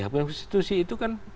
hakim konstitusi itu kan